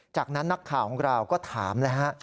จากนั้นนักข่าวของเราก็ถามเลยฮะ